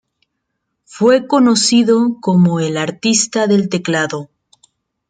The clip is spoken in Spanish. Fue conocido como "El Artista del Teclado".